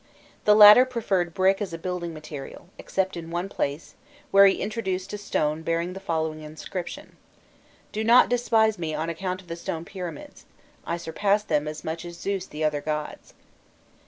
The latter preferred brick as a building material, except in one place, where he introduced a stone bearing the following inscription: "Do not despise me on account of the stone pyramids: I surpass them as much as Zeus the other gods.